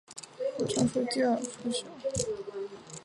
演唱会第二日出现了小插曲。